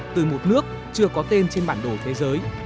từ một nước chưa có tên trên bản đồ